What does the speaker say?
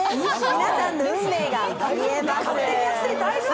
皆さんの運命が見えます。